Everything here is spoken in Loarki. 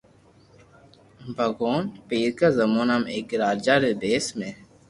ڀگوان پيرڪا زمانو ۾ ايڪ راجا ري ڀيس ۾